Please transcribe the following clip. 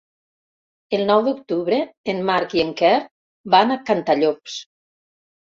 El nou d'octubre en Marc i en Quer van a Cantallops.